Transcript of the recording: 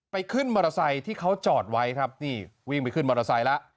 ขึ้นมอเตอร์ไซค์ที่เขาจอดไว้ครับนี่วิ่งไปขึ้นมอเตอร์ไซค์แล้ว